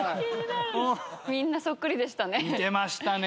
みんなそっくりでしたね。